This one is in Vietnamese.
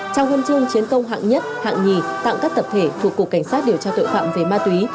trao huân chương chiến công hạng nhất hạng nhì tặng các tập thể thuộc cục cảnh sát điều tra tội phạm về ma túy